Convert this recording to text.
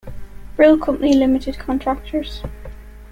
Brule Company Limited contractors.